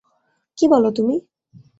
কি বল তুমি?